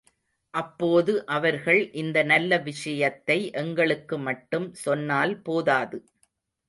அப்போது அவர்கள் இந்த நல்ல விஷயத்தை எங்களுக்கு மட்டும் சொன்னால் போதாது.